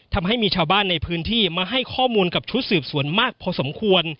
ทำให้มีชาวบ้านในพื้นที่มาให้ข้อมูลกับชุดสืบสวนมากพอสมควร